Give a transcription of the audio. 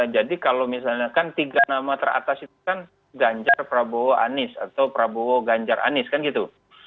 jadi kalau misalnya kan tiga nama teratas itu kan ganjar prabowo anis atau prabowo ganjar anis kan gitu